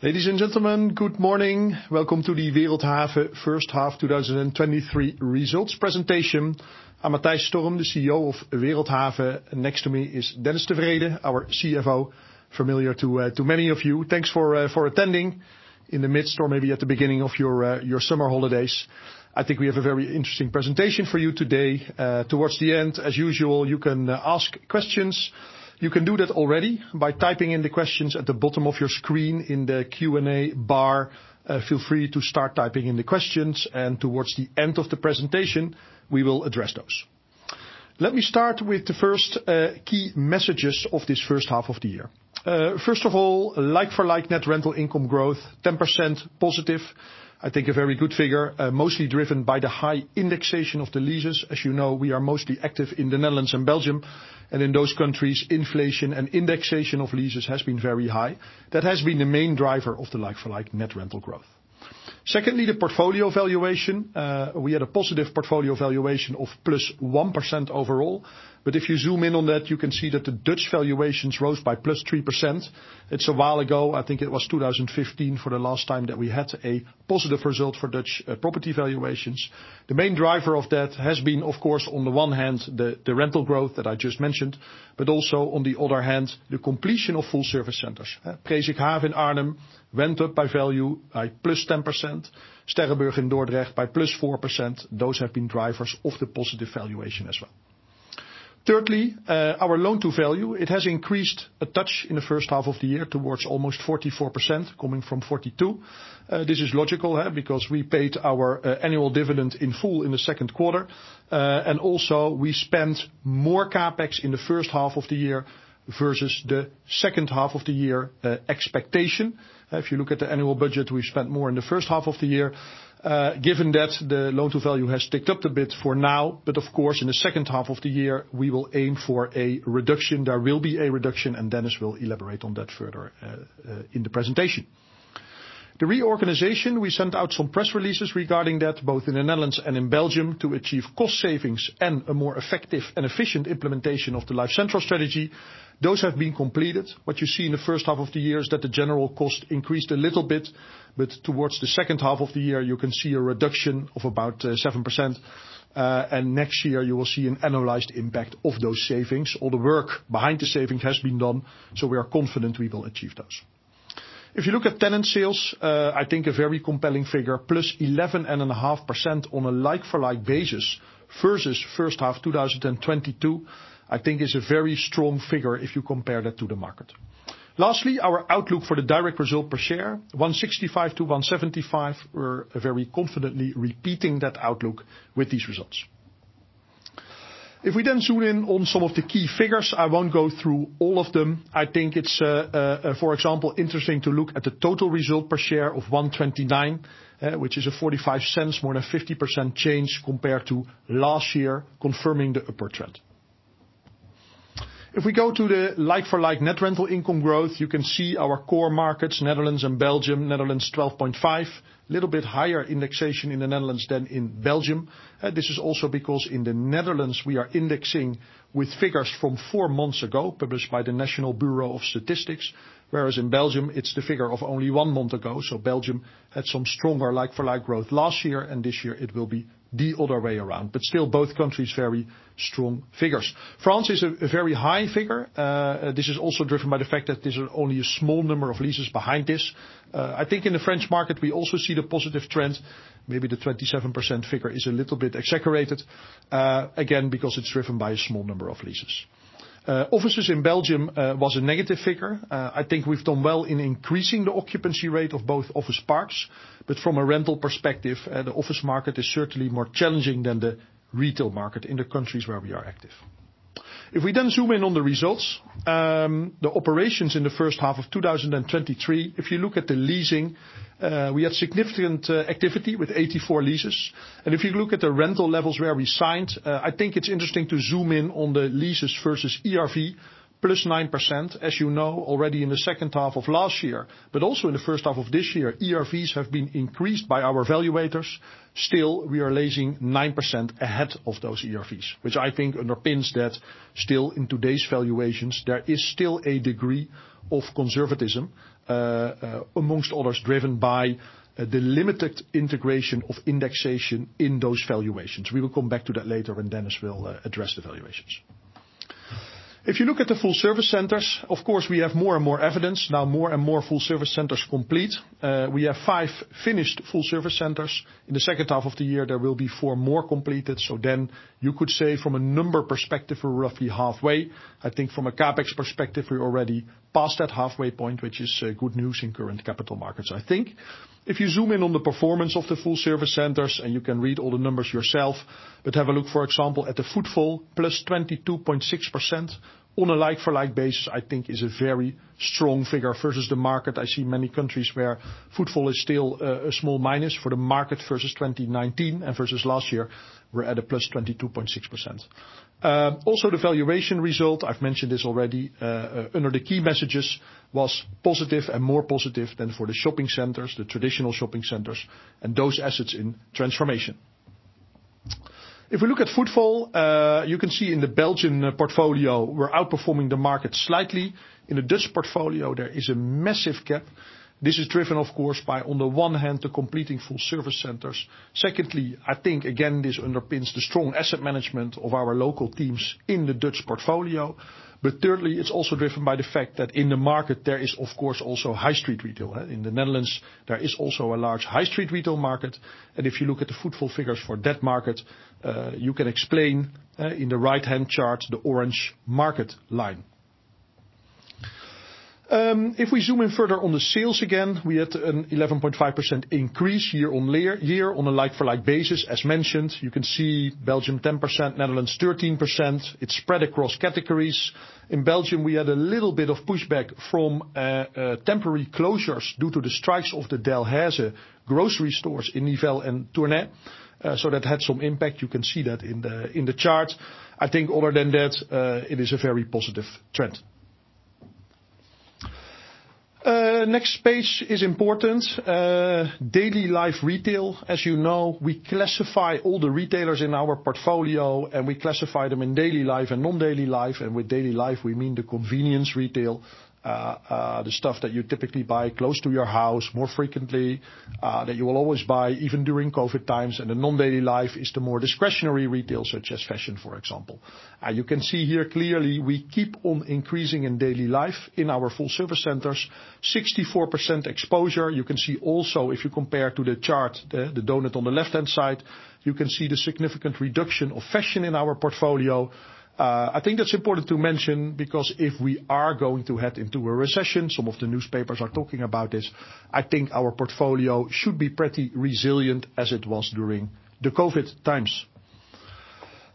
Ladies and gentlemen, good morning. Welcome to the Wereldhave first half 2023 results presentation. I'm Matthijs Storm, the CEO of Wereldhave. Next to me is Dennis de Vreede, our CFO, familiar to many of you. Thanks for attending in the midst or maybe at the beginning of your summer holidays. I think we have a very interesting presentation for you today. Towards the end, as usual, you can ask questions. You can do that already by typing in the questions at the bottom of your screen in the Q&A bar. Feel free to start typing in the questions. Towards the end of the presentation, we will address those. Let me start with the first key messages of this first half of the year. First of all, like-for-like net rental income growth, 10% positive. I think a very good figure, mostly driven by the high indexation of the leases. As you know, we are mostly active in the Netherlands and Belgium, and in those countries, inflation and indexation of leases has been very high. That has been the main driver of the like-for-like net rental growth. Secondly, the portfolio valuation. We had a positive portfolio valuation of +1% overall. If you zoom in on that, you can see that the Dutch valuations rose by +3%. It's a while ago, I think it was 2015, for the last time that we had a positive result for Dutch property valuations. The main driver of that has been, of course, on the one hand, the rental growth that I just mentioned, but also, on the other hand, the completion of full-service centers. Presikhaaf in Arnhem went up by value, by +10%, Sterrenburg in Dordrecht by +4%. Those have been drivers of the positive valuation as well. Thirdly, our loan-to-value, it has increased a touch in the first half of the year towards almost 44%, coming from 42. This is logical, because we paid our annual dividend in full in the second quarter. Also, we spent more CapEx in the first half of the year versus the second half of the year expectation. If you look at the annual budget, we spent more in the first half of the year. Given that, the loan-to-value has ticked up a bit for now, but of course, in the second half of the year, we will aim for a reduction. There will be a reduction. Dennis will elaborate on that further in the presentation. The reorganization, we sent out some press releases regarding that, both in the Netherlands and in Belgium, to achieve cost savings and a more effective and efficient implementation of the LifeCentral strategy. Those have been completed. What you see in the first half of the year is that the general cost increased a little bit, but towards the second half of the year, you can see a reduction of about 7%. Next year, you will see an annualized impact of those savings. All the work behind the saving has been done. We are confident we will achieve those. If you look at tenant sales, I think a very compelling figure, plus 11.5% on a like-for-like basis versus first half 2022, I think is a very strong figure if you compare that to the market. Our outlook for the direct result per share, 1.65-1.75. We're very confidently repeating that outlook with these results. We then zoom in on some of the key figures, I won't go through all of them. I think it's, for example, interesting to look at the total result per share of 1.29, which is a 0.45, more than 50% change compared to last year, confirming the upward trend. We go to the like-for-like net rental income growth, you can see our core markets, Netherlands and Belgium. Netherlands, 12.5%. Little bit higher indexation in the Netherlands than in Belgium. This is also because in the Netherlands, we are indexing with figures from four months ago, published by the National Bureau of Statistics, whereas in Belgium, it's the figure of only one month ago. Belgium had some stronger like-for-like growth last year, and this year it will be the other way around. Still, both countries, very strong figures. France is a very high figure. This is also driven by the fact that there's only a small number of leases behind this. I think in the French market, we also see the positive trend. Maybe the 27% figure is a little bit exaggerated, again, because it's driven by a small number of leases. Offices in Belgium was a negative figure. I think we've done well in increasing the occupancy rate of both office parks, but from a rental perspective, the office market is certainly more challenging than the retail market in the countries where we are active. We then zoom in on the results, the operations in the first half of 2023, if you look at the leasing, we had significant activity with 84 leases. If you look at the rental levels where we signed, I think it's interesting to zoom in on the leases versus ERV, +9%. You know, already in the second half of last year, also in the first half of this year, ERVs have been increased by our evaluators. Still, we are leasing 9% ahead of those ERVs, which I think underpins that still in today's valuations, there is still a degree of conservatism, among others, driven by the limited integration of indexation in those valuations. We will come back to that later when Dennis will address the valuations. If you look at the full-service centers, of course, we have more and more evidence. Now, more and more full-service centers complete. We have five finished full-service centers. In the second half of the year, there will be four more completed, you could say from a number perspective, we're roughly halfway. I think from a CapEx perspective, we're already past that halfway point, which is good news in current capital markets, I think. If you zoom in on the performance of the Full Service Centers, and you can read all the numbers yourself, but have a look, for example, at the footfall, +22.6% on a like-for-like basis, I think is a very strong figure versus the market. I see many countries where footfall is still a small minus for the market versus 2019 and versus last year, we're at a +22.6%. Also, the valuation result, I've mentioned this already, under the key messages, was positive and more positive than for the shopping centers, the traditional shopping centers, and those assets in transformation. If we look at footfall, you can see in the Belgian portfolio, we're outperforming the market slightly. In the Dutch portfolio, there is a massive gap. This is driven, of course, by, on the one hand, the completing Full Service Centers. Secondly, I think, again, this underpins the strong asset management of our local teams in the Dutch portfolio. Thirdly, it's also driven by the fact that in the market, there is, of course, also high street retail, huh? In the Netherlands, there is also a large high street retail market. If you look at the footfall figures for that market, you can explain in the right-hand chart, the orange market line. If we zoom in further on the sales, again, we had an 11.5% increase year on a like-for-like basis, as mentioned. You can see Belgium, 10%, Netherlands, 13%. It's spread across categories. In Belgium, we had a little bit of pushback from temporary closures due to the strikes of the Delhaize grocery stores in Nivelles and Tournai. That had some impact. You can see that in the chart. I think other than that, it is a very positive trend. Next page is important. Daily life retail. As you know, we classify all the retailers in our portfolio, and we classify them in daily life and non-daily life. With daily life, we mean the convenience retail, the stuff that you typically buy close to your house more frequently, that you will always buy, even during COVID times. The non-daily life is the more discretionary retail, such as fashion, for example. You can see here clearly, we keep on increasing in daily life in our Full Service Centers, 64% exposure. You can see also, if you compare to the chart, the donut on the left-hand side, you can see the significant reduction of fashion in our portfolio. I think that's important to mention, because if we are going to head into a recession, some of the newspapers are talking about this, I think our portfolio should be pretty resilient as it was during the COVID times.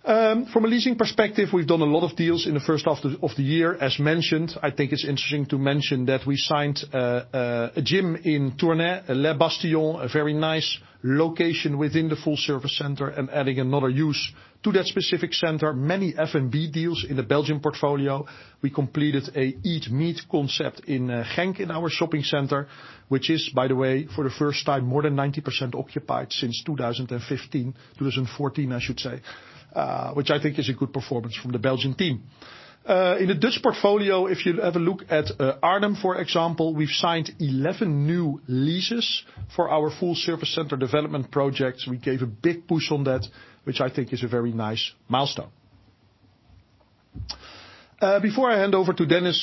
From a leasing perspective, we've done a lot of deals in the first half of the year, as mentioned. I think it's interesting to mention that we signed a gym in Tournai, Les Bastions, a very nice location within the Full Service Center and adding another use to that specific center. Many F&B deals in the Belgian portfolio. We completed a Eat Meet concept in Genk, in our shopping center, which is, by the way, for the first time, more than 90% occupied since 2015, 2014, I should say. Which I think is a good performance from the Belgian team. In the Dutch portfolio, if you have a look at Arnhem, for example, we've signed 11 new leases for our Full Service Center development projects. We gave a big push on that, which I think is a very nice milestone. Before I hand over to Dennis,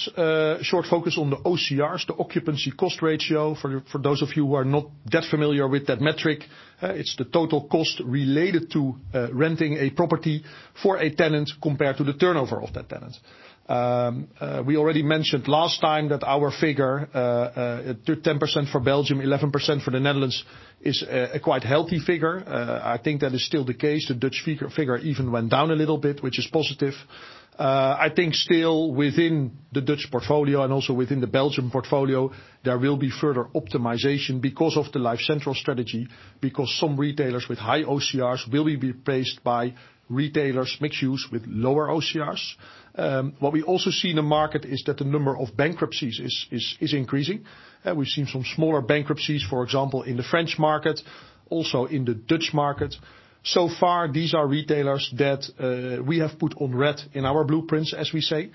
short focus on the OCRs, the occupancy cost ratio. For those of you who are not that familiar with that metric, it's the total cost related to renting a property for a tenant compared to the turnover of that tenant. We already mentioned last time that our figure, 10% for Belgium, 11% for the Netherlands, is a quite healthy figure. I think that is still the case. The Dutch figure even went down a little bit, which is positive. I think still within the Dutch portfolio and also within the Belgian portfolio, there will be further optimization because of the LifeCentral strategy, because some retailers with high OCRs will be replaced by retailers, mixed use, with lower OCRs. What we also see in the market is that the number of bankruptcies is increasing. We've seen some smaller bankruptcies, for example, in the French market, also in the Dutch market. These are retailers that we have put on red in our blueprints, as we say.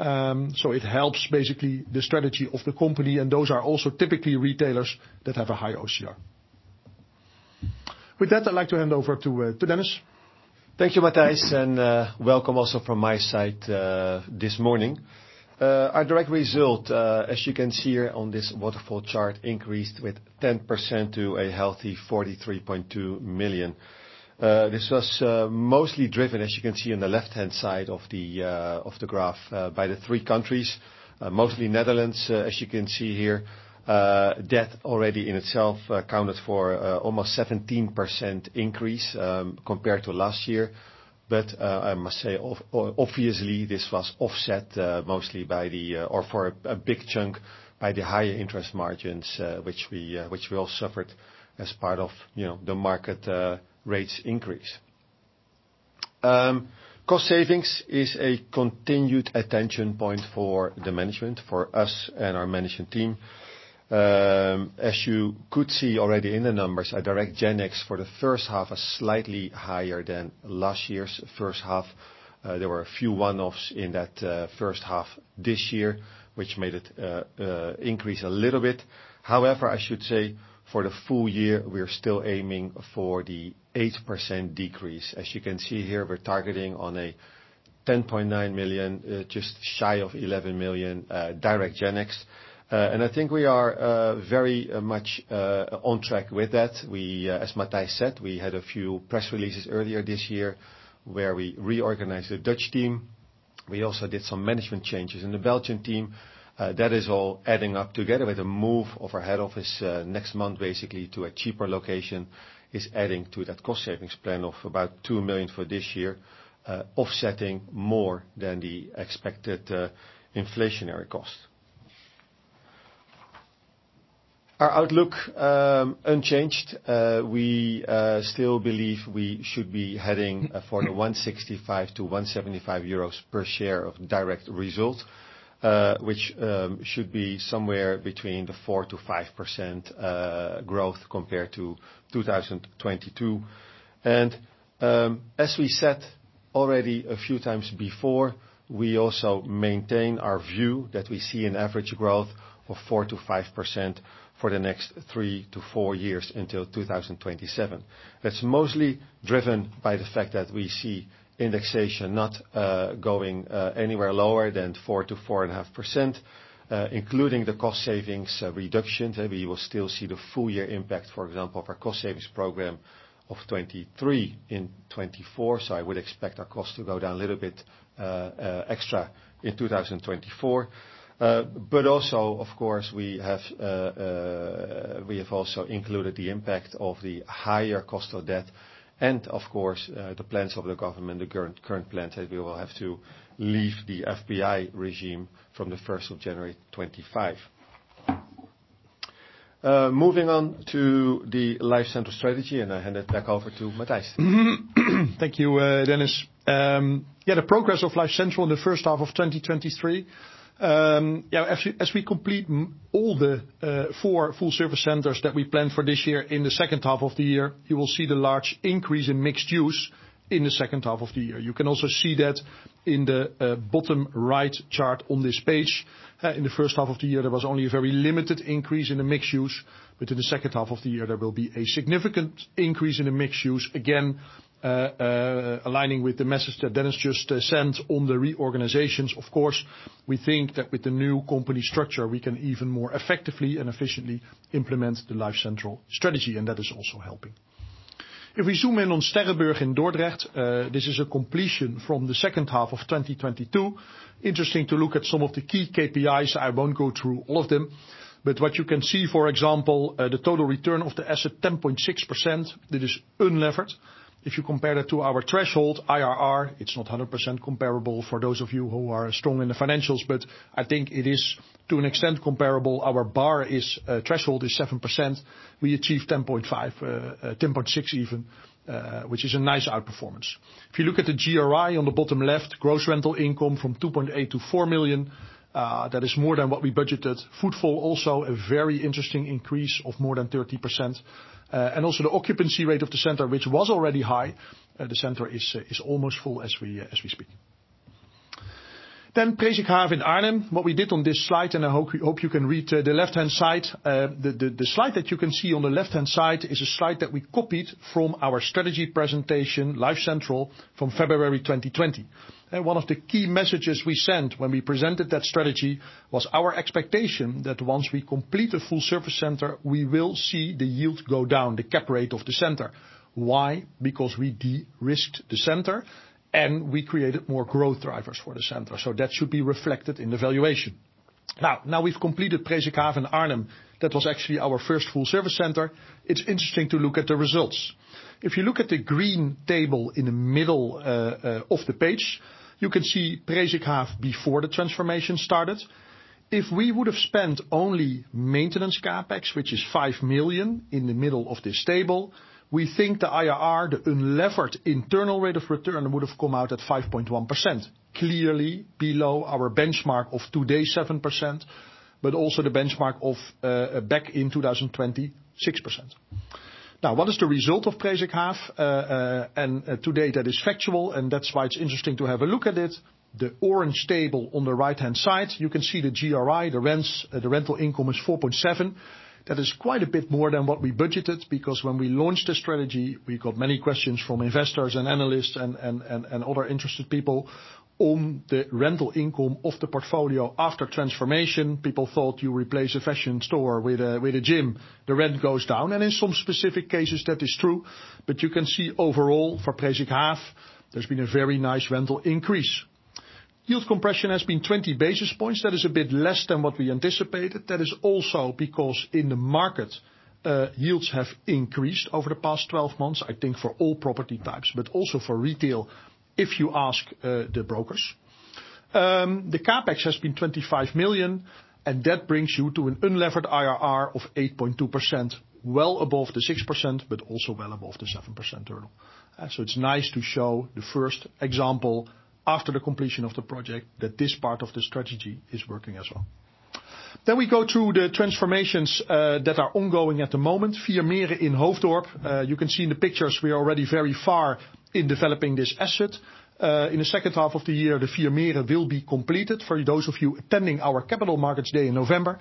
It helps basically the strategy of the company, and those are also typically retailers that have a high OCR. With that, I'd like to hand over to Dennis. Thank you, Matthijs, and welcome also from my side this morning. Our direct result, as you can see here on this waterfall chart, increased with 10% to a healthy 43.2 million. This was mostly driven, as you can see on the left-hand side of the graph, by the three countries, mostly Netherlands, as you can see here. That already in itself accounted for almost 17% increase compared to last year. I must say, obviously, this was offset mostly by the or for a big chunk by the higher interest margins, which we all suffered as part of, you know, the market rates increase. Cost savings is a continued attention point for the management, for us and our management team. As you could see already in the numbers, our direct GenX for the first half are slightly higher than last year's first half. There were a few one-offs in that first half this year, which made it increase a little bit. However, I should say, for the full year, we are still aiming for the 8% decrease. As you can see here, we're targeting on a 10.9 million, just shy of 11 million, direct GenX. I think we are very much on track with that. We, as Matthijs said, we had a few press releases earlier this year where we reorganized the Dutch team. We also did some management changes in the Belgian team. That is all adding up together with the move of our head office, next month, basically, to a cheaper location, is adding to that cost savings plan of about 2 million for this year, offsetting more than the expected inflationary cost. Our outlook, unchanged. We still believe we should be heading for the 1.65-1.75 euros per share of direct result, which should be somewhere between the 4%-5% growth compared to 2022. As we said already a few times before, we also maintain our view that we see an average growth of 4%-5% for the next three to four years until 2027. That's mostly driven by the fact that we see indexation not going anywhere lower than 4%-4.5%, including the cost savings reductions. We will still see the full year impact, for example, of our cost savings program of 2023 in 2024. I would expect our costs to go down a little bit extra in 2024. Also, of course, we have included the impact of the higher cost of debt, and of course, the plans of the government, the current plan, that we will have to leave the FBI regime from the 1st of January 2025. Moving on to the LifeCentral strategy, I hand it back over to Matthijs. Thank you, Dennis. The progress of LifeCentral in the first half of 2023. As we complete all the 4 Full Service Centers that we planned for this year, in the second half of the year, you will see the large increase in mixed use in the second half of the year. You can also see that in the bottom right chart on this page. In the first half of the year, there was only a very limited increase in the mixed use, but in the second half of the year, there will be a significant increase in the mixed use. Again, aligning with the message that Dennis just sent on the reorganizations. We think that with the new company structure, we can even more effectively and efficiently implement the LifeCentral strategy, and that is also helping. If we zoom in on Sterrenburg in Dordrecht, this is a completion from the second half of 2022. Interesting to look at some of the key KPIs. I won't go through all of them, but what you can see, for example, the total return of the asset, 10.6%, that is unlevered. If you compare that to our threshold, IRR, it's not 100% comparable for those of you who are strong in the financials, but I think it is, to an extent, comparable. Our bar is, threshold is 7%. We achieved 10.5, 10.6 even, which is a nice outperformance. If you look at the GRI on the bottom left, gross rental income from 2.8 million to 4 million, that is more than what we budgeted. Footfall, also a very interesting increase of more than 30%. Also the occupancy rate of the center, which was already high, the center is almost full as we speak. Presikhaaf in Arnhem. What we did on this slide, I hope you can read the left-hand side. The slide that you can see on the left-hand side is a slide that we copied from our strategy presentation, LifeCentral, from February 2020. One of the key messages we sent when we presented that strategy was our expectation that once we complete the Full Service Center, we will see the yield go down, the cap rate of the center. Why? We de-risked the center and we created more growth drivers for the center, so that should be reflected in the valuation. Now, we've completed Presikhaaf in Arnhem. That was actually our first full service center. It's interesting to look at the results. If you look at the green table in the middle of the page, you can see Presikhaaf before the transformation started. If we would have spent only maintenance CapEx, which is 5 million in the middle of this table, we think the IRR, the unlevered internal rate of return, would have come out at 5.1%. Clearly below our benchmark of today, 7%, but also the benchmark of back in 2020, 6%. Now, what is the result of Presikhaaf? Today that is factual, and that's why it's interesting to have a look at it. The orange table on the right-hand side, you can see the GRI, the rents, the rental income is 4.7%. That is quite a bit more than what we budgeted, because when we launched the strategy, we got many questions from investors and analysts and other interested people on the rental income of the portfolio after transformation. People thought you replace a fashion store with a gym, the rent goes down. In some specific cases, that is true. You can see overall for Presikhaaf, there's been a very nice rental increase. Yield compression has been 20 basis points. That is a bit less than what we anticipated. That is also because in the market, yields have increased over the past 12 months, I think, for all property types, but also for retail, if you ask, the brokers. The CapEx has been 25 million, and that brings you to an unlevered IRR of 8.2%, well above the 6%, but also well above the 7% return. It's nice to show the first example after the completion of the project, that this part of the strategy is working as well. We go through the transformations that are ongoing at the moment. Vier Meren in Hoofddorp. You can see in the pictures, we are already very far in developing this asset. In the second half of the year, the Vier Meren will be completed. For those of you attending our Capital Markets Day in November,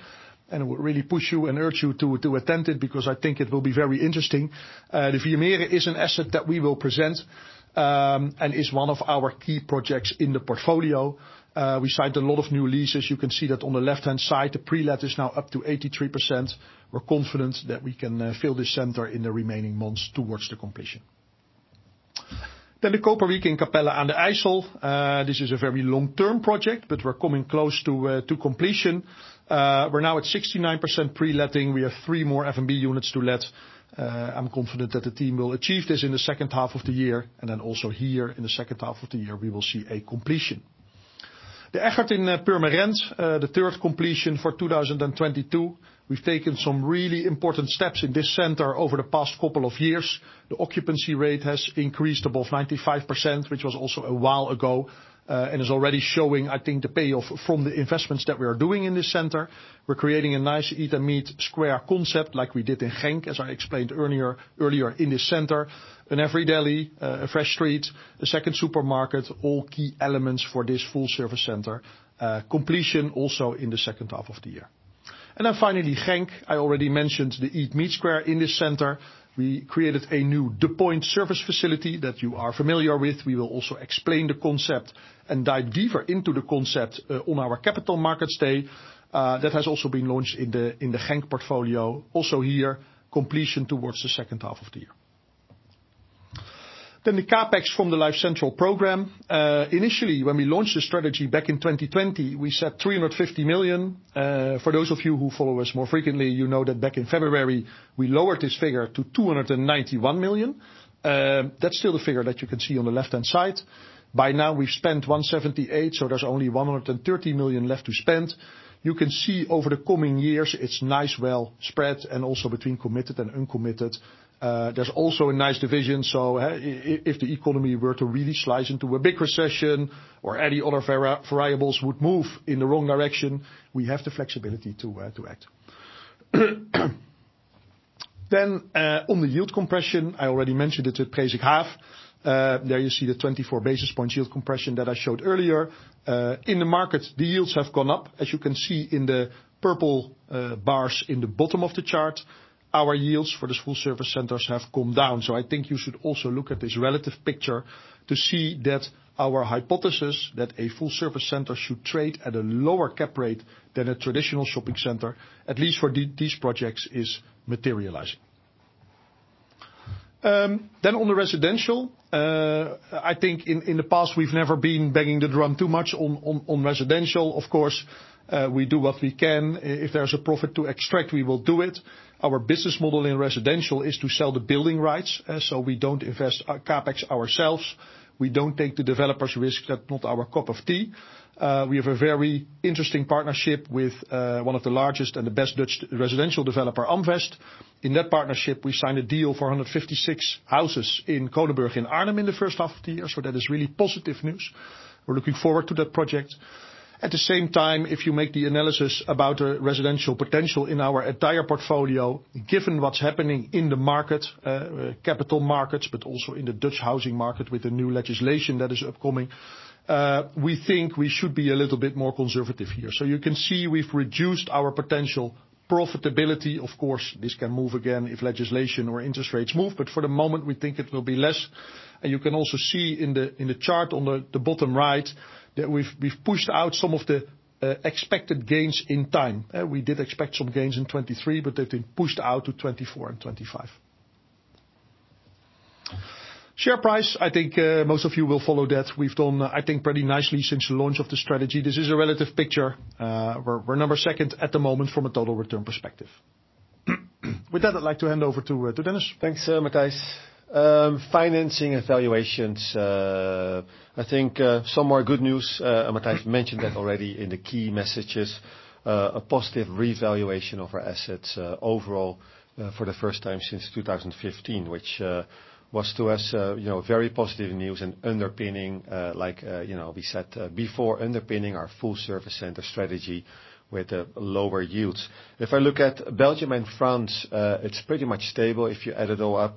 I would really push you and urge you to attend it, because I think it will be very interesting. The Vier Meren is an asset that we will present and is one of our key projects in the portfolio. We signed a lot of new leases. You can see that on the left-hand side, the pre-let is now up to 83%. We're confident that we can fill this center in the remaining months towards the completion. The Koperwiek in Capelle aan den IJssel. This is a very long-term project, but we're coming close to completion. We're now at 69% pre-letting. We have three more FMB units to let. I'm confident that the team will achieve this in the second half of the year, also here in the second half of the year, we will see a completion. The effort in Purmerend, the third completion for 2022. We've taken some really important steps in this center over the past couple of years. The occupancy rate has increased above 95%, which was also a while ago, and is already showing, I think, the payoff from the investments that we are doing in this center. We're creating a nice Eat Meet square concept, like we did in Genk, as I explained earlier in this center. An every.deli, a fresh street, a second supermarket, all key elements for this Full Service Center. Completion also in the second half of the year. Finally, Genk, I already mentioned the Eat Meet Square in this center. We created a new The Point service facility that you are familiar with. We will also explain the concept and dive deeper into the concept on our capital markets day that has also been launched in the Genk portfolio. Here, completion towards the second half of the year. The CapEx from the LifeCentral program. Initially, when we launched the strategy back in 2020, we set 350 million. For those of you who follow us more frequently, you know that back in February, we lowered this figure to 291 million. That's still the figure that you can see on the left-hand side. By now, we've spent 178 million, so there's only 130 million left to spend. You can see over the coming years, it's nice, well spread, and also between committed and uncommitted. There's also a nice division, so, if the economy were to really slide into a big recession or any other variables would move in the wrong direction, we have the flexibility to act. On the yield compression, I already mentioned it at Presikhaaf. There you see the 24 basis point yield compression that I showed earlier. In the market, the yields have gone up, as you can see in the purple bars in the bottom of the chart. Our yields for the Full Service Centers have come down, I think you should also look at this relative picture to see that our hypothesis that a Full Service Center should trade at a lower cap rate than a traditional shopping center, at least for these projects, is materializing. On the residential, I think in the past, we've never been banging the drum too much on residential. Of course, we do what we can. If there's a profit to extract, we will do it. Our business model in residential is to sell the building rights, so we don't invest our CapEx ourselves. We don't take the developer's risk. That's not our cup of tea. We have a very interesting partnership with one of the largest and the best Dutch residential developer, Amvest. In that partnership, we signed a deal for 156 houses in Kronenburg, in Arnhem, in the first half of the year. That is really positive news. We're looking forward to that project. At the same time, if you make the analysis about the residential potential in our entire portfolio, given what's happening in the market, capital markets, also in the Dutch housing market with the new legislation that is upcoming, we think we should be a little bit more conservative here. You can see we've reduced our potential profitability. Of course, this can move again if legislation or interest rates move. For the moment, we think it will be less. You can also see in the chart on the bottom right, that we've pushed out some of the expected gains in time. We did expect some gains in 2023, but they've been pushed out to 2024 and 2025. Share price, I think, most of you will follow that. We've done, I think, pretty nicely since the launch of the strategy. This is a relative picture. We're number second at the moment from a total return perspective. With that, I'd like to hand over to Dennis. Thanks, Matthijs. Financing evaluations, I think, some more good news, Matthijs mentioned that already in the key messages. A positive revaluation of our assets, overall, for the first time since 2015, which was to us, you know, very positive news and underpinning, like, you know, we said, before underpinning our Full Service Center strategy with the lower yields. If I look at Belgium and France, it's pretty much stable if you add it all up,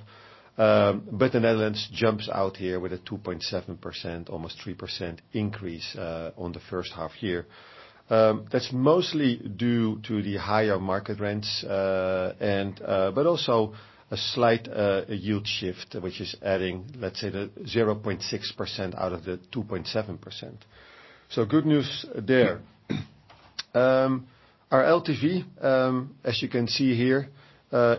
but the Netherlands jumps out here with a 2.7%, almost 3% increase on the first half year. That's mostly due to the higher market rents, and also a slight yield shift, which is adding, let's say, the 0.6% out of the 2.7%. Good news there. Our LTV, as you can see here,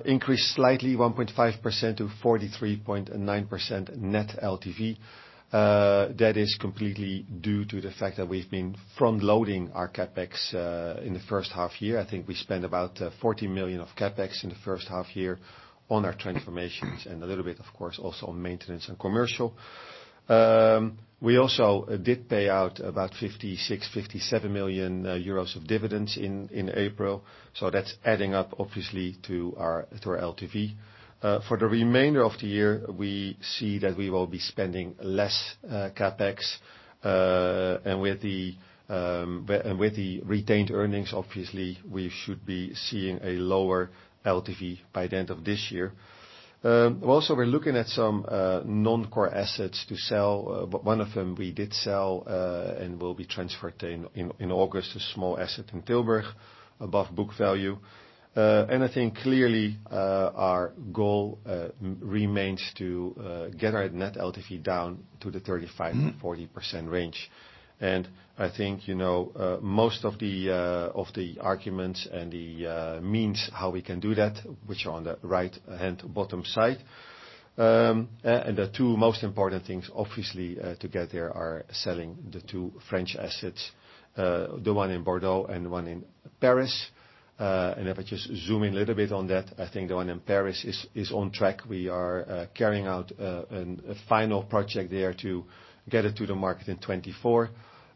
increased slightly 1.5% to 43.9% net LTV. That is completely due to the fact that we've been front loading our CapEx in the first half year. I think we spent about 40 million of CapEx in the first half year on our transformations, and a little bit, of course, also on maintenance and commercial. We also did pay out about 56 million-57 million euros of dividends in April, that's adding up, obviously, to our LTV. For the remainder of the year, we see that we will be spending less CapEx, and with the retained earnings, obviously, we should be seeing a lower LTV by the end of this year. Also, we're looking at some non-core assets to sell, but one of them we did sell, and will be transferred in August, a small asset in Tilburg, above book value. I think clearly, our goal remains to get our net LTV down to the 35%-40% range. I think, you know, most of the arguments and the means how we can do that, which are on the right-hand bottom side. The two most important things, obviously, to get there are selling the two French assets, the one in Bordeaux and one in Paris. If I just zoom in a little bit on that, I think the one in Paris is on track. We are carrying out a final project there to get it to the market in 2024.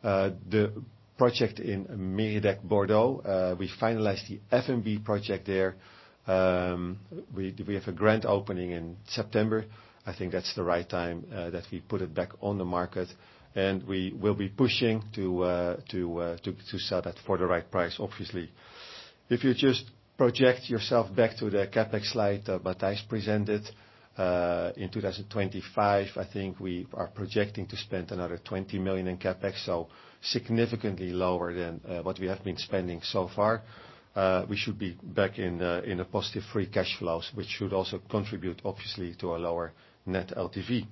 The project in Mériadeck, Bordeaux, we finalized the FMB project there. We have a grand opening in September. I think that's the right time that we put it back on the market, and we will be pushing to sell that for the right price, obviously. If you just project yourself back to the CapEx slide that Matthijs presented, in 2025, I think we are projecting to spend another 20 million in CapEx, so significantly lower than what we have been spending so far. We should be back in a positive free cash flows, which should also contribute, obviously, to a lower net LTV.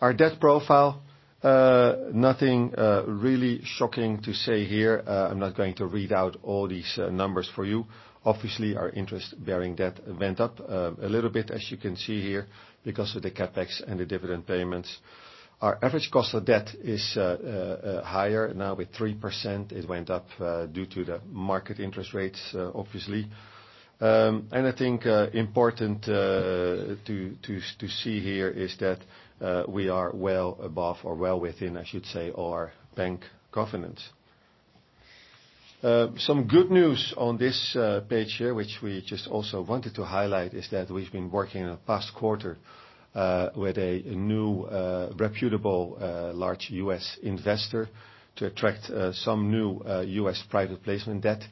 Our debt profile, nothing really shocking to say here. I'm not going to read out all these numbers for you. Obviously, our interest-bearing debt went up a little bit, as you can see here, because of the CapEx and the dividend payments. Our average cost of debt is higher now with 3%. It went up due to the market interest rates, obviously. I think important to see here is that we are well above or well within, I should say, our bank covenants. Some good news on this page here, which we just also wanted to highlight, is that we've been working in the past quarter with a new reputable large U.S. investor to attract some new U.S. private placement debt,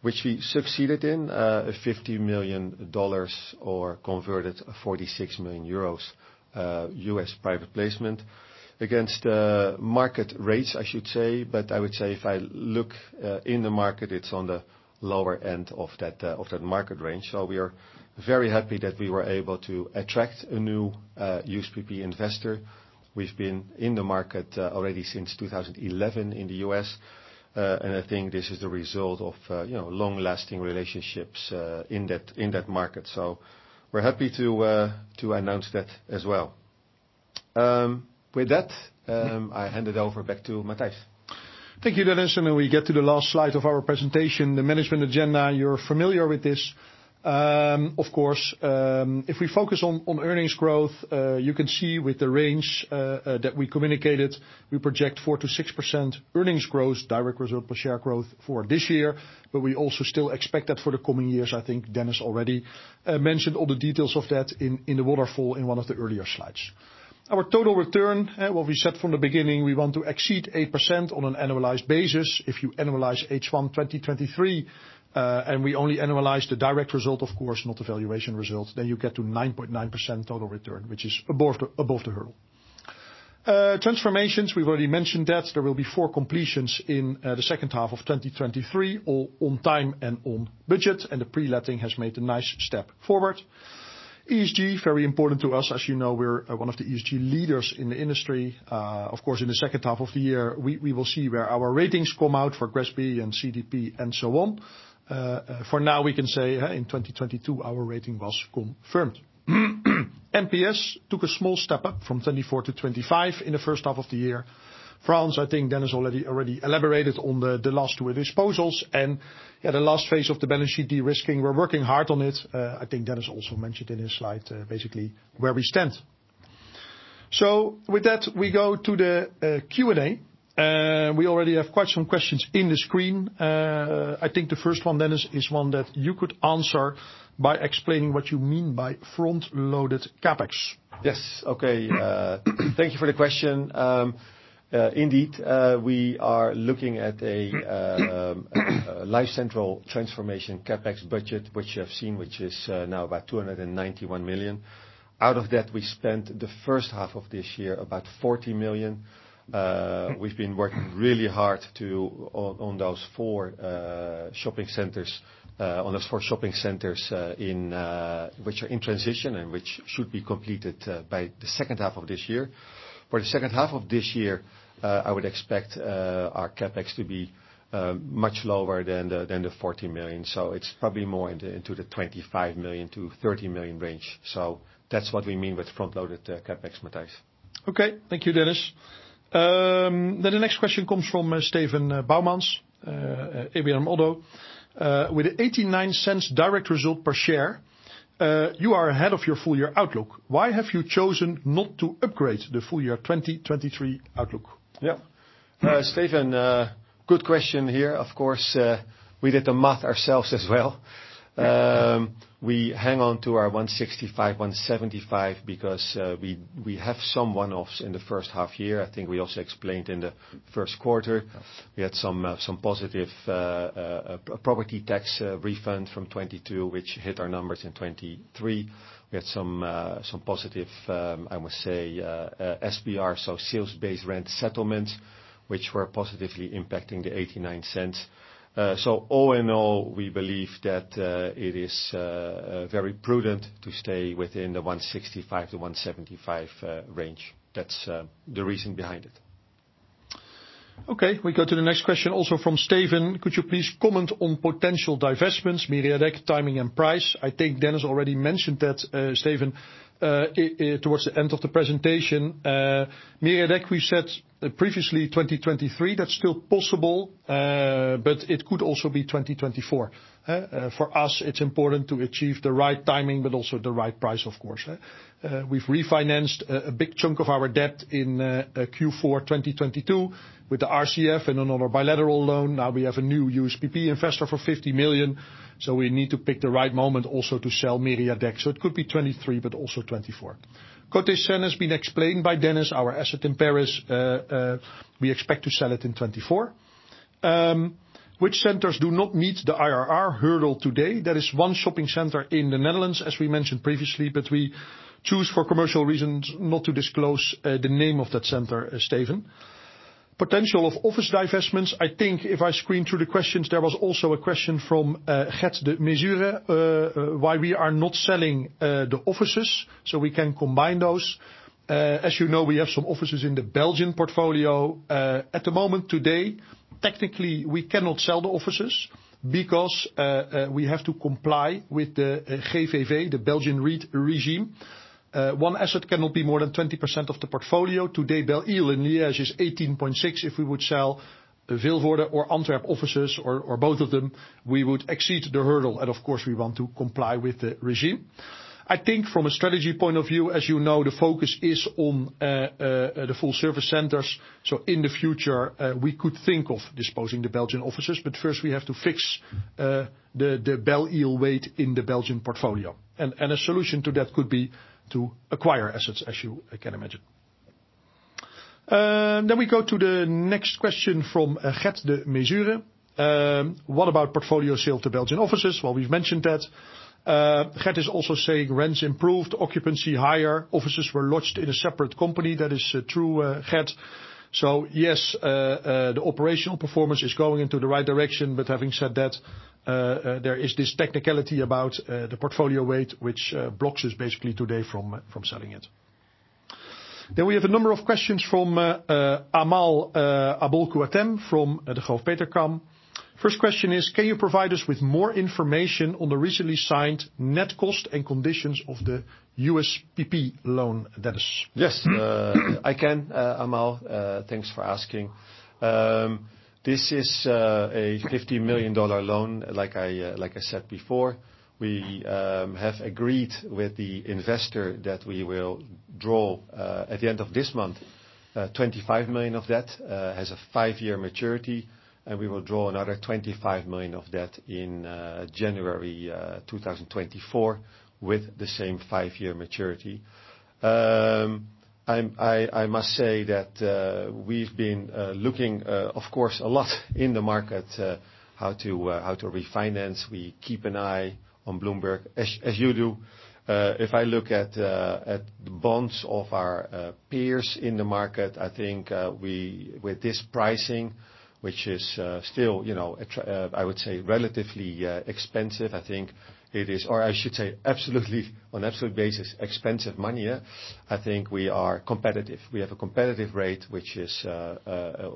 which we succeeded in, $50 million or converted 46 million euros U.S. private placement. Against the market rates, I should say, I would say if I look in the market, it's on the lower end of that of that market range. We are very happy that we were able to attract a new USPP investor. We've been in the market already since 2011 in the U.S., and I think this is the result of, you know, long-lasting relationships in that, in that market. We're happy to announce that as well. With that, I hand it over back to Matthijs. Thank you, Dennis. We get to the last slide of our presentation, the management agenda. You're familiar with this. Of course, if we focus on earnings growth, you can see with the range that we communicated, we project 4%-6% earnings growth, direct result per share growth for this year, but we also still expect that for the coming years. I think Dennis already mentioned all the details of that in the waterfall in one of the earlier slides. Our total return, what we said from the beginning, we want to exceed 8% on an annualized basis. If you annualize H1 2023, and we only annualize the direct result, of course, not the valuation results, then you get to 9.9% total return, which is above the hurdle. Transformations, we've already mentioned that. There will be four completions in the second half of 2023, all on time and on budget. The pre-letting has made a nice step forward. ESG, very important to us. As you know, we're one of the ESG leaders in the industry. Of course, in the second half of the year, we will see where our ratings come out for GRESB and CDP and so on. For now, we can say, in 2022, our rating was confirmed. NPS took a small step up from 24-25 in the first half of the year. France, I think Dennis already elaborated on the last two disposals. The last phase of the balance sheet de-risking, we're working hard on it. I think Dennis also mentioned in his slide, basically where we stand. With that, we go to the Q&A. We already have quite some questions in the screen. I think the first one, Dennis, is one that you could answer by explaining what you mean by front-loaded CapEx? Yes. Okay. Thank you for the question. Indeed, we are looking at a LifeCentral transformation CapEx budget, which you have seen, which is now about 291 million. Out of that, we spent the first half of this year, about 40 million. We've been working really hard on those four shopping centers, which are in transition, and which should be completed by the second half of this year. For the second half of this year, I would expect our CapEx to be much lower than the 40 million, so it's probably more into the 25 million-30 million range. That's what we mean with front-loaded CapEx, Matthijs. Okay. Thank you, Dennis. The next question comes from Steven Boumans, ABN AMRO. With the 0.89 direct result per share, you are ahead of your full year outlook. Why have you chosen not to upgrade the full year 2023 outlook? Steven, good question here. Of course, we did the math ourselves as well. We hang on to our 1.65-1.75, because we have some one-offs in the first half year. I think we also explained in the first quarter, we had some positive property tax refund from 2022, which hit our numbers in 2023. We had some positive, I must say, SBR, so sales-based rent settlements, which were positively impacting the 0.89. All in all, we believe that it is very prudent to stay within the 1.65-1.75 range. That's the reason behind it. We go to the next question, also from Steven: Could you please comment on potential divestments, Mériadeck, timing, and price? I think Dennis already mentioned that, Steven, towards the end of the presentation. Mériadeck, we said previously 2023, that's still possible, but it could also be 2024. For us, it's important to achieve the right timing, but also the right price, of course. We've refinanced a big chunk of our debt in Q4 2022 with the RCF and another bilateral loan. We have a new USPP investor for $50 million, so we need to pick the right moment also to sell Mériadeck. It could be 2023, but also 2024. Côté Seine has been explained by Dennis, our asset in Paris, we expect to sell it in 2024. Which centers do not meet the IRR hurdle today? That is one shopping center in the Netherlands, as we mentioned previously. We choose for commercial reasons not to disclose the name of that center, Steven. Potential of office divestments. I think if I screen through the questions, there was also a question from Gert De Mesure, why we are not selling the offices so we can combine those. As you know, we have some offices in the Belgian portfolio. At the moment today, technically, we cannot sell the offices because we have to comply with the GVV, the Belgian REIT regime. One asset cannot be more than 20% of the portfolio. Today, Belle-Ile in Liege is 18.6%. If we would sell the Vilvoorde or Antwerp offices, or both of them, we would exceed the hurdle. Of course, we want to comply with the regime. I think from a strategy point of view, as you know, the focus is on the full service centers. In the future, we could think of disposing the Belgian offices. First, we have to fix the Belle-Ile weight in the Belgian portfolio, and a solution to that could be to acquire assets, as you can imagine. We go to the next question from Gert De Mesure. What about portfolio sale to Belgian offices? Well, we've mentioned that. Gert is also saying rents improved, occupancy higher, offices were lodged in a separate company. That is true, Gert. Yes, the operational performance is going into the right direction. Having said that, there is this technicality about the portfolio weight, which blocks us basically today from selling it. We have a number of questions from Amal Aboulkhouatem, from Degroof Petercam. First question is: Can you provide us with more information on the recently signed net cost and conditions of the USPP loan, Dennis? Yes, I can, Amal, thanks for asking. This is a $50 million loan. Like I, like I said before, we have agreed with the investor that we will draw at the end of this month, $25 million of that, as a five year maturity, and we will draw another $25 million of that in January 2024, with the same five year maturity. I must say that we've been looking, of course, a lot in the market, how to, how to refinance. We keep an eye on Bloomberg, as you do. If I look at the bonds of our peers in the market, I think we with this pricing, which is still, you know, I would say relatively expensive, I think it is, or I should say, absolutely, on an absolute basis, expensive money, yeah. I think we are competitive. We have a competitive rate, which is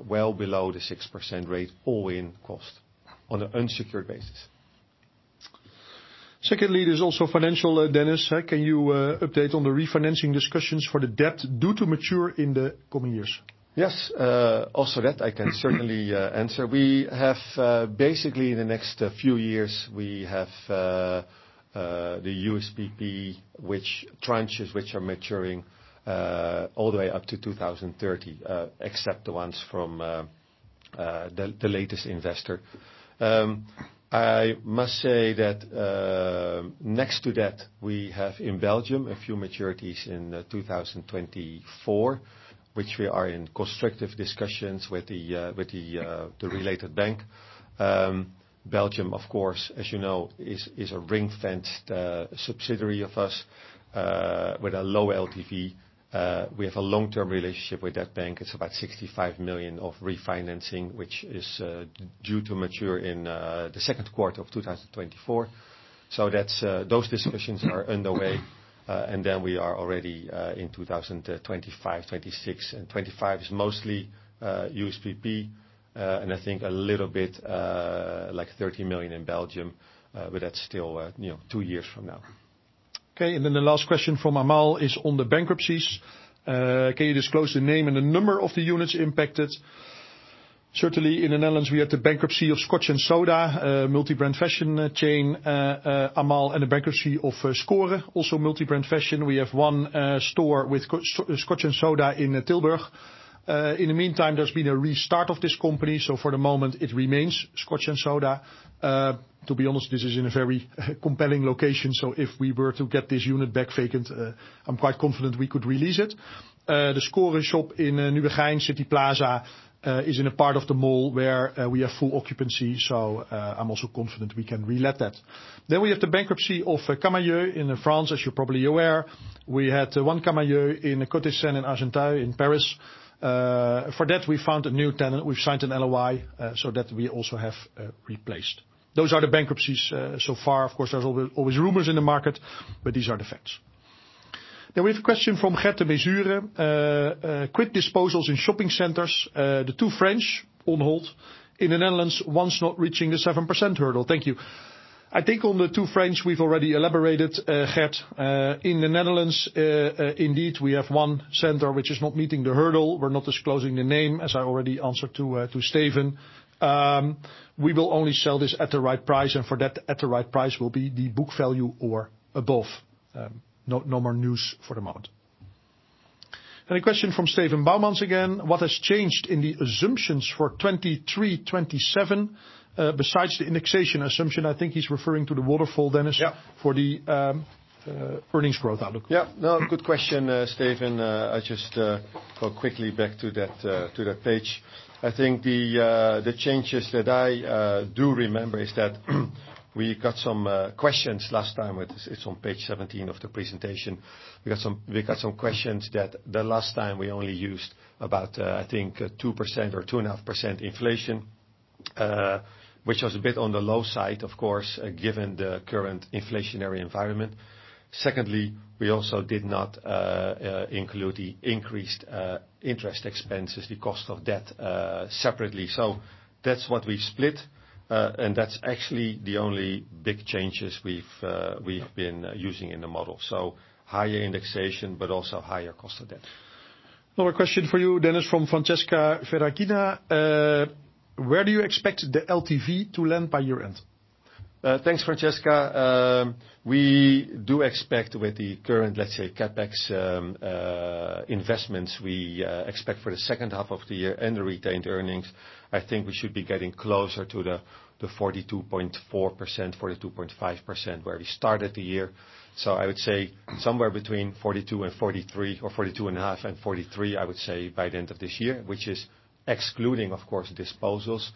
well below the 6% rate, all-in cost on an unsecured basis. Secondly, there's also financial, Dennis, can you update on the refinancing discussions for the debt due to mature in the coming years? Yes, also that I can certainly answer. We have basically in the next few years, we have the USPP, which tranches, which are maturing all the way up to 2030, except the ones from the latest investor. I must say that next to that, we have in Belgium, a few maturities in 2024, which we are in constructive discussions with the related bank. Belgium, of course, as you know, is a ring-fenced subsidiary of us with a low LTV. We have a long-term relationship with that bank. It's about 65 million of refinancing, which is due to mature in the second quarter of 2024. That's. Those discussions are underway, and then we are already in 2025, 2026. 2025 is mostly USPP, and I think a little bit like 30 million in Belgium, but that's still, you know, two years from now. The last question from Amal is on the bankruptcies. "Can you disclose the name and the number of the units impacted?" Certainly, in the Netherlands, we had the bankruptcy of Scotch & Soda, multi-brand fashion chain, Amal, and the bankruptcy of Score, also multi-brand fashion. We have one store with Scotch & Soda in Tilburg. In the meantime, there's been a restart of this company, so for the moment it remains Scotch & Soda. To be honest, this is in a very compelling location, so if we were to get this unit back vacant, I'm quite confident we could release it. The Score shop in Nieuwegein City Plaza, is in a part of the mall where we have full occupancy, so I'm also confident we can relet that. We have the bankruptcy of Camaïeu in France. As you're probably aware, we had one Camaïeu in Côté Seine in Argenteuil, in Paris. For that, we found a new tenant. We've signed an LOI, so that we also have replaced. Those are the bankruptcies so far. Of course, there's always rumors in the market, but these are the facts. We have a question from Gert De Mesure. "Quick disposals in shopping centers, the two French on hold. In the Netherlands, one's not reaching the 7% hurdle. Thank you." I think on the two French, we've already elaborated, Gert. In the Netherlands, indeed, we have one center which is not meeting the hurdle. We're not disclosing the name, as I already answered to Steven. We will only sell this at the right price, and for that, at the right price will be the book value or above. No, no more news for the moment. A question from Steven Boumans again: "What has changed in the assumptions for 2023, 2027, besides the indexation assumption?" I think he's referring to the waterfall, Dennis. Yeah. for the earnings growth outlook. Yeah. No, good question, Steven. I just go quickly back to that to that page. I think the the changes that I do remember is that we got some questions last time. It's on page 17 of the presentation. We got some questions that the last time we only used about I think 2% or 2.5% inflation, which was a bit on the low side, of course, given the current inflationary environment. Secondly, we also did not include the increased interest expenses, the cost of debt, separately. That's what we've split, and that's actually the only big changes we've. Yeah been using in the model. Higher indexation, but also higher cost of debt. Another question for you, Dennis, from Francesca Ferragina: "Where do you expect the LTV to land by year-end? Thanks, Francesca. We do expect with the current, let's say, CapEx investments, we expect for the second half of the year and the retained earnings, I think we should be getting closer to the 42.4%, 42.5%, where we started the year. I would say somewhere between 42%-43% or 42.5%-43%, I would say, by the end of this year, which is excluding, of course, disposals.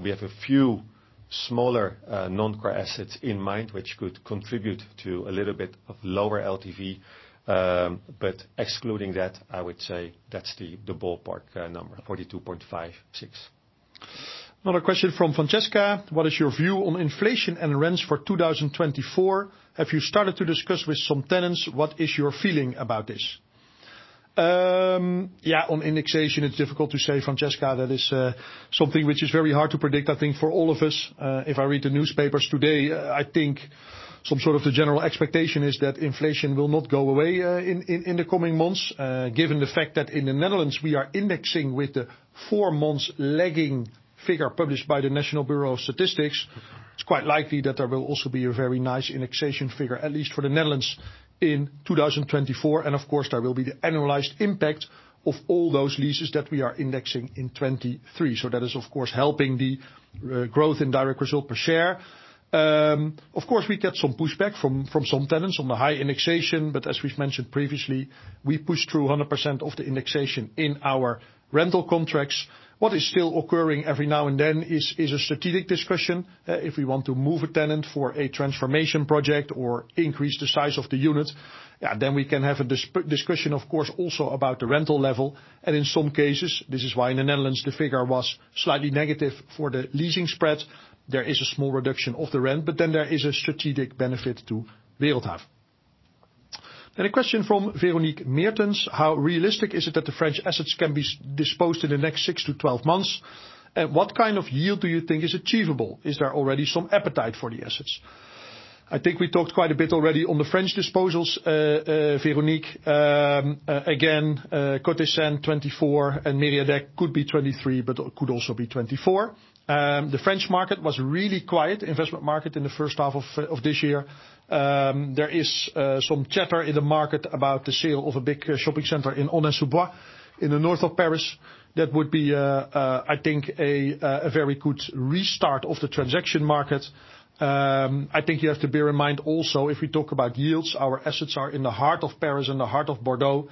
We have a few smaller non-core assets in mind, which could contribute to a little bit of lower LTV, but excluding that, I would say that's the ballpark number, 42.5%-42.6%. Another question from Francesca: "What is your view on inflation and rents for 2024? Have you started to discuss with some tenants, what is your feeling about this? Yeah, on indexation, it's difficult to say, Francesca. That is something which is very hard to predict, I think, for all of us. If I read the newspapers today, I think some sort of the general expectation is that inflation will not go away in the coming months. Given the fact that in the Netherlands, we are indexing with the four months lagging figure published by Statistics Netherlands, it's quite likely that there will also be a very nice indexation figure, at least for the Netherlands, in 2024. Of course, there will be the annualized impact of all those leases that we are indexing in 2023. That is, of course, helping the growth in direct result per share. Of course, we get some pushback from some tenants on the high indexation, as we've mentioned previously, we push through 100% of the indexation in our rental contracts. What is still occurring every now and then is a strategic discussion. If we want to move a tenant for a transformation project or increase the size of the unit, we can have a discussion, of course, also about the rental level. In some cases, this is why in the Netherlands, the figure was slightly negative for the leasing spread. There is a small reduction of the rent, there is a strategic benefit to Wereldhave. A question from Véronique Meertens: "How realistic is it that the French assets can be disposed in the next six to 12 months? What kind of yield do you think is achievable? Is there already some appetite for the assets? I think we talked quite a bit already on the French disposals, Véronique. Again, Côté Seine 24 and Mériadeck could be 23, but could also be 24. The French market was really quiet, investment market, in the first half of this year. There is some chatter in the market about the sale of a big shopping center in Aulnay-sous-Bois, in the north of Paris. That would be, I think, a very good restart of the transaction market. I think you have to bear in mind also, if we talk about yields, our assets are in the heart of Paris and the heart of Bordeaux.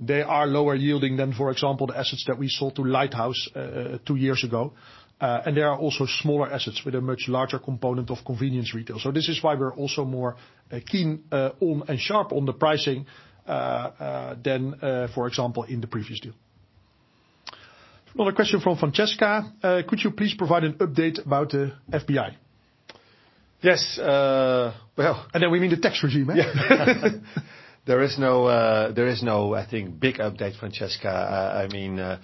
They are lower yielding than, for example, the assets that we sold to Lighthouse two years ago. There are also smaller assets with a much larger component of convenience retail. This is why we're also more keen on and sharp on the pricing than for example, in the previous deal. Another question from Francesca: "Could you please provide an update about the FBI? Yes. We mean the tax regime, eh? Yeah. There is no, there is no, I think, big update, Francesca. I mean. Mm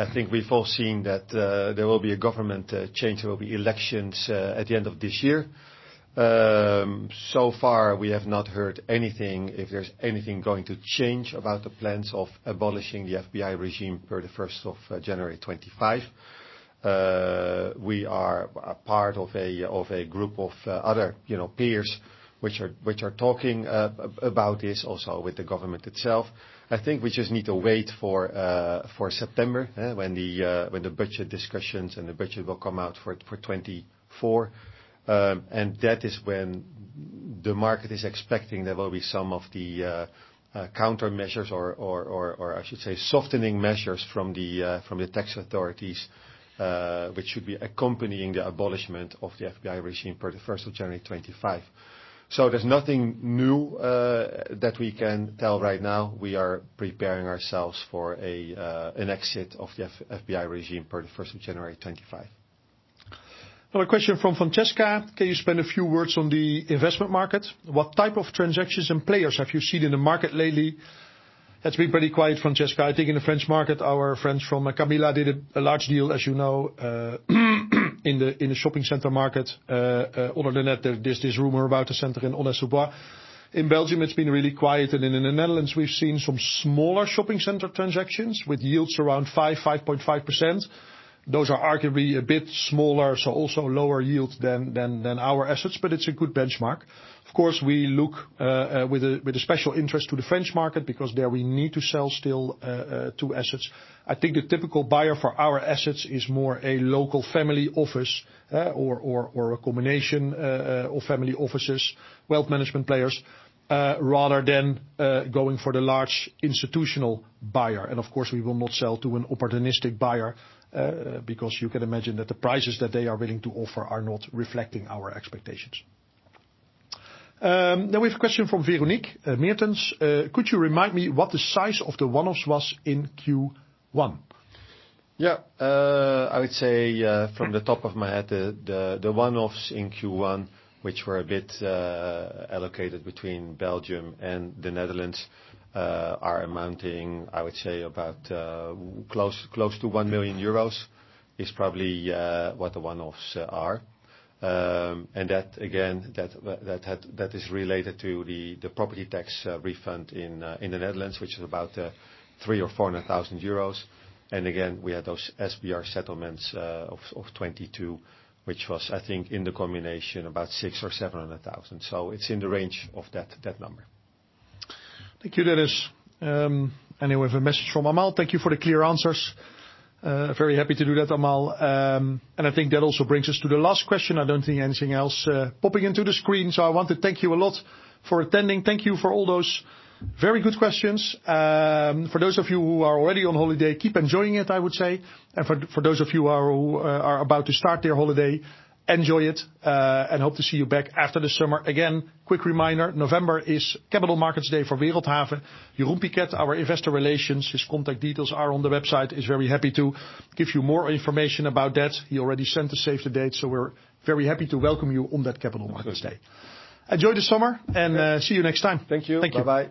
I think we've all seen that there will be a government change. There will be elections at the end of this year. So far, we have not heard anything, if there's anything going to change about the plans of abolishing the FBI regime for the 1st of January 2025. We are a part of a group of other, you know, peers, which are talking about this also with the government itself. I think we just need to wait for September, when the budget discussions and the budget will come out for 2024. That is when the market is expecting there will be some of the countermeasures or I should say, softening measures from the tax authorities, which should be accompanying the abolishment of the FBI regime for the 1st of January 2025. There's nothing new that we can tell right now. We are preparing ourselves for an exit of the FBI regime for the 1st of January 2025. Another question from Francesca: "Can you spend a few words on the investment market? What type of transactions and players have you seen in the market lately?" It's been pretty quiet, Francesca. I think in the French market, our friends from Carmila did a large deal, as you know, in the shopping center market. Other than that, there's this rumor about a center in Aulnay-sous-Bois. In Belgium, it's been really quiet, and in the Netherlands, we've seen some smaller shopping center transactions with yields around 5.5%. Those are arguably a bit smaller, so also lower yields than our assets, but it's a good benchmark. Of course, we look with a special interest to the French market, because there we need to sell still two assets. I think the typical buyer for our assets is more a local family office, or a combination of family offices, wealth management players, rather than going for the large institutional buyer. Of course, we will not sell to an opportunistic buyer, because you can imagine that the prices that they are willing to offer are not reflecting our expectations. Now we have a question from Véronique Meertens: "Could you remind me what the size of the one-offs was in Q1? I would say, from the top of my head, the one-offs in Q1, which were a bit allocated between Belgium and the Netherlands, are amounting, I would say, about close to 1 million euros, is probably what the one-offs are. Again, that is related to the property tax refund in the Netherlands, which is about 300,000 euros-EUR400,000. Again, we had those SBR settlements of 2022, which was, I think, in the combination, about 600,000-EUR700,000. It's in the range of that number. Thank you, Dennis. We have a message from Amal: "Thank you for the clear answers." Very happy to do that, Amal. I think that also brings us to the last question. I don't think anything else popping into the screen, so I want to thank you a lot for attending. Thank you for all those very good questions. For those of you who are already on holiday, keep enjoying it, I would say. For those of you who are about to start their holiday, enjoy it, and hope to see you back after the summer. Again, quick reminder, November is Capital Markets Day for Wereldhave. Jeroen Pilaar, our investor relations, his contact details are on the website, is very happy to give you more information about that. He already sent the save the date, we're very happy to welcome you on that Capital Markets Day. Enjoy the summer, see you next time. Thank you. Thank you. Bye-bye.